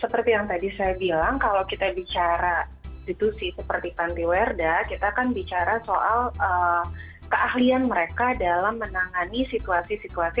seperti yang tadi saya bilang kalau kita bicara institusi seperti pantiwerda kita kan bicara soal keahlian mereka dalam menangani situasi situasi